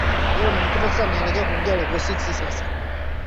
huku akitarajiwa kukutana na viongozi wa wafanyi biashara